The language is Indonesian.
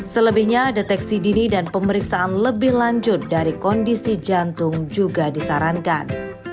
selebihnya deteksi dini dan pemeriksaan lebih lanjut dari kondisi jantung juga disarankan